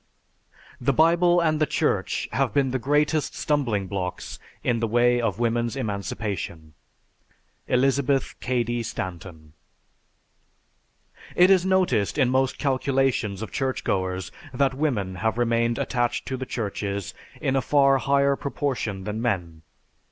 The Bible and the Church have been the greatest stumbling blocks in the way of women's emancipation. ELIZABETH CADY STANTON. It is noticed in most calculations of churchgoers that women have remained attached to the churches in a far higher proportion than men.